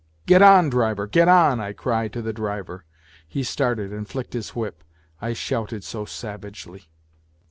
Get on, driver, get on !" I cried to the driver. He started and flicked his whip, I shouted so savagely.